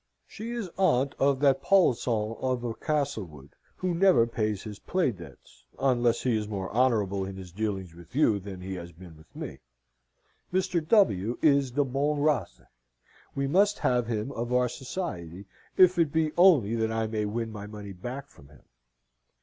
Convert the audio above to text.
She is aunt of that polisson of a Castlewood, who never pays his play debts, unless he is more honourable in his dealings with you than he has been with me. Mr. W. is de bonne race. We must have him of our society, if it be only that I may win my money back from him.